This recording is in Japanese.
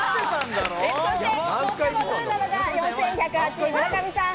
そして、最も不運なのが４１０８位、村上さん。